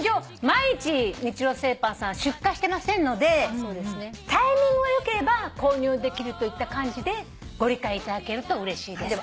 毎日日糧製パンさん出荷してませんのでタイミングが良ければ購入できるといった感じでご理解いただけるとうれしいですって。